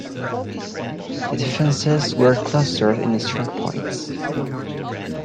The defenses were clustered in strongpoints.